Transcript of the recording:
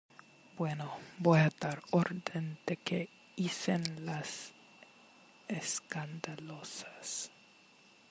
bueno, voy a dar orden de que icen las escandalosas.